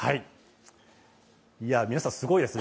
皆さん、すごいですね。